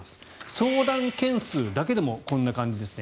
相談件数だけでもこんな感じですね。